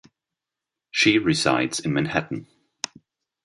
She resides in Manhattan.